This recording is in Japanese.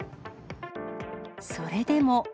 それでも。